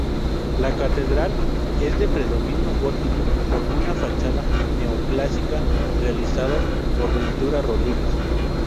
La catedral es de predominio gótico, con una fachada neoclásica realizada por Ventura Rodríguez.